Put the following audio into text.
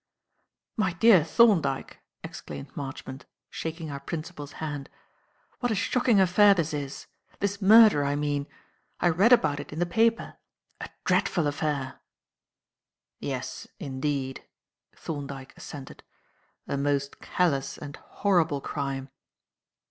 "My dear Thorndyke!" exclaimed Marchmont, shaking our principal's hand; "what a shocking affair this is this murder, I mean. I read about it in the paper. A dreadful affair!" "Yes, indeed," Thorndyke assented; "a most callous and horrible crime."